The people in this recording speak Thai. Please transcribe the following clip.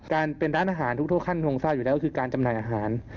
การเป็นร้านอาหารทุกท่านคงทราบอยู่แล้วก็คือการจำหน่ายอาหาร